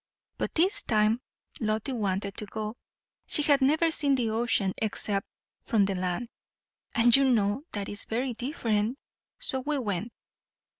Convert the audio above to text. but this time Lottie wanted to go. She had never seen the ocean, except from the land; and you know that is very different; so we went.